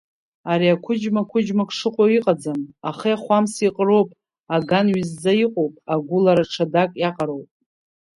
Ари ақәыџьма қәыџьмак шыҟоу иҟаӡам, ахи ахәамси еиҟароуп, аган ҩызӡа иҟоуп, агылара ҽадак иаҟароуп.